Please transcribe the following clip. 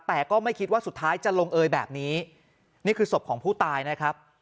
แต่ก็ไม่คิดว่าสุดท้ายจะลงเอยแบบนี้นี่คือศพของผู้ตายนะครับ